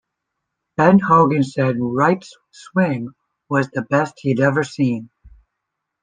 Ben Hogan said Wright's swing was the best he had ever seen.